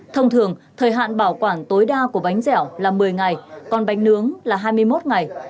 thông thường thời hạn bảo quản tối đa của bánh dẻo là một mươi ngày còn bánh nướng là hai mươi một ngày